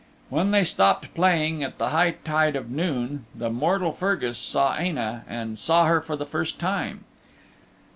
When they stopped playing at the high tide of noon the mortal Fergus saw Aine' and saw her for the first time.